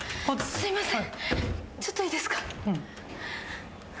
すいません。